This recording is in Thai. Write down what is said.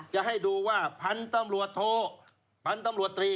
จะให้ดูว่าพันธุ์ตำรวจโทพันธุ์ตำรวจตรี